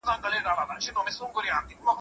ایا ته کولای شې چې په پښتو شعر ووایې؟